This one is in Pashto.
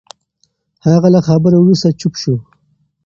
هغه له خبرو وروسته چوپ شو.